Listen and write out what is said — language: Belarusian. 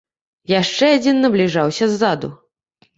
Яшчэ адзін набліжаўся ззаду.